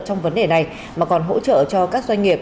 trong vấn đề này mà còn hỗ trợ cho các doanh nghiệp